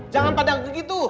jangan pada begitu